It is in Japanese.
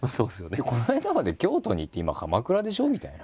この間まで京都にいて今鎌倉でしょ？みたいな。